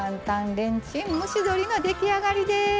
レンチン蒸し鶏出来上がりです。